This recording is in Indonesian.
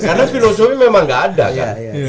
karena filosofi memang gak ada kan